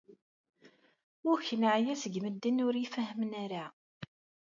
Uk neɛya seg medden ur ifehhmen ara.